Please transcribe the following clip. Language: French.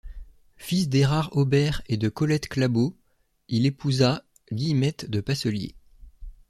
Fils d'Erard Aubert et de Colette Clabaut, il épousa Guillemette de Passeliers.